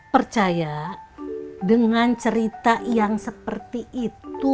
percaya dengan cerita yang seperti itu